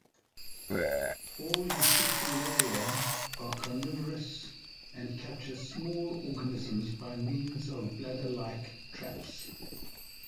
All "Utricularia" are carnivorous and capture small organisms by means of bladder-like traps.